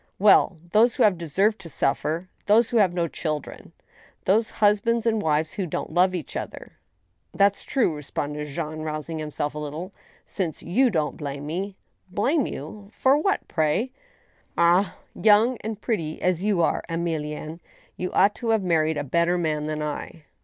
'* Well ! those who have deserved to suffer ; those who have no children ; those husbands and wives who don't love each other." " That's true," responded Jean, rousing himself a little, " since y&u don't blame me—" " Blame you ! for what, pray ?"" Ah ! young and pretty as you are, Emilienne. you ought to have married a better man than I."